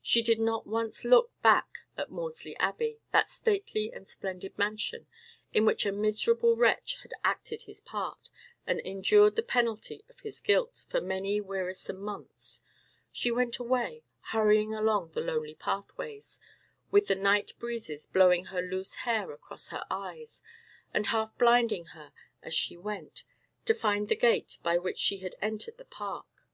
She did not once look back at Maudesley Abbey—that stately and splendid mansion, in which a miserable wretch had acted his part, and endured the penalty of his guilt, for many wearisome months She went away—hurrying along the lonely pathways, with the night breezes blowing her loose hair across her eyes, and half blinding her as she went—to find the gate by which she had entered the park.